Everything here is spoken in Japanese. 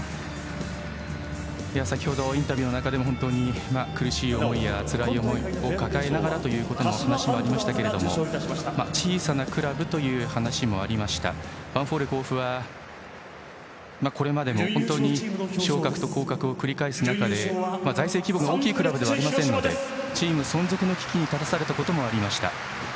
先程インタビューの中でも苦しい思いやつらい思いを抱えながらという話がありましたけど小さなクラブという話もありましたがヴァンフォーレ甲府はこれまでも本当に昇格と降格を繰り返す中で財政規模も大きいクラブではありませんのでチーム存続の危機に立たされたこともありました。